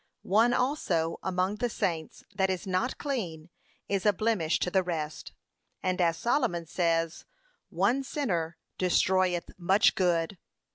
One also, among the saints, that is not clean, is a blemish to the rest, and as Solomon says, 'One sinner destroyeth much good.'